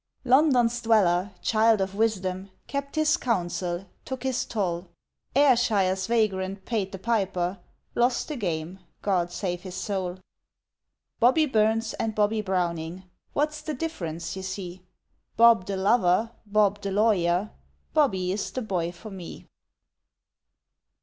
London's dweller, child of wisdom, Kept his counsel, took his toll; Ayrshire's vagrant paid the piper, Lost the game God save his soul! Bobbie Burns and Bobbie Browning, What's the difference, you see? Bob the lover, Bob the lawyer; Bobbie is the boy for me!